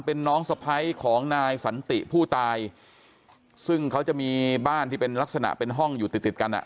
เป็นน้องสะพ้ายของนายสันติผู้ตายซึ่งเขาจะมีบ้านที่เป็นลักษณะเป็นห้องอยู่ติดติดกันอ่ะ